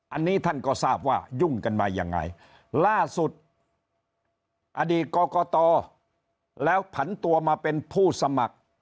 อันนี้ท่านก็ทราบว่ายุ่งกันมายังไงล่าสุดอดีตกรกตแล้วผันตัวมาเป็นผู้สมัคร